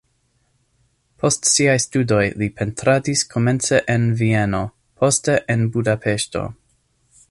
Post siaj studoj li pentradis komence en Vieno, poste en Budapeŝto.